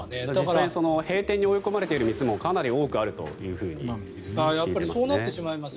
実際に閉店に追い込まれている店もかなりあると聞いています。